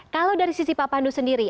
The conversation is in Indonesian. kalau dari sisi pak pandu sendiri